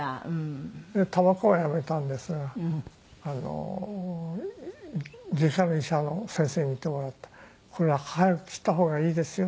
たばこはやめたんですがあの外科の医者の先生に診てもらったら「これは早く切った方がいいですよ